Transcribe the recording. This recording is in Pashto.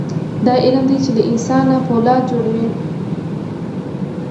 دا علم دی چې له انسان نه فولاد جوړوي.